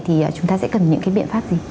thì chúng ta sẽ cần những cái biện pháp gì